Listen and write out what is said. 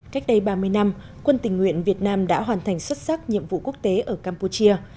cách đây ba mươi năm quân tình nguyện việt nam đã hoàn thành xuất sắc nhiệm vụ quốc tế ở campuchia